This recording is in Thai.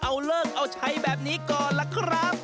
เอาเลิกเอาใช้แบบนี้ก่อนล่ะครับ